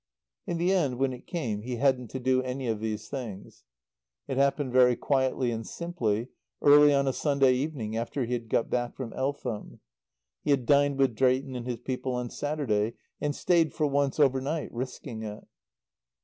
In the end, when it came, he hadn't to do any of these things. It happened very quietly and simply, early on a Sunday evening after he had got back from Eltham. He had dined with Drayton and his people on Saturday, and stayed, for once, over night, risking it.